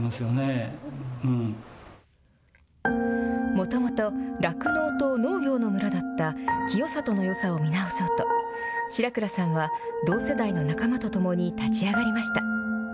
もともと酪農と農業の村だった清里のよさを見直そうと、白倉さんは同世代の仲間と共に立ち上がりました。